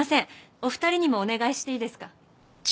お二人にもお願いしていいですか？